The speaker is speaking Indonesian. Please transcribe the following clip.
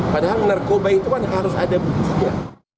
padahal narkoba itu kan harus ada buktinya